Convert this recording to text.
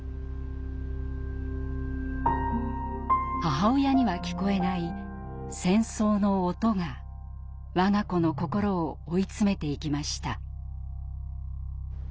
母親には聞こえない「戦争の音」がわが子の心を追い詰めていきました。